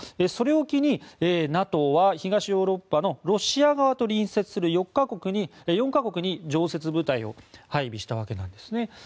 それを機にＮＡＴＯは東ヨーロッパのロシア側と隣接する４か国に常設部隊を配備したわけです。